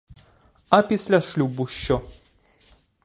А після шлюбу що?